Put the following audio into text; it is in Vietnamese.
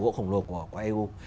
gỗ khổng lồ của eu